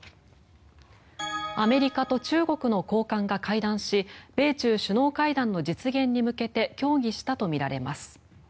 アメリカと中国の高官が会談し米中首脳会談の実現に向けて協議したとみられます。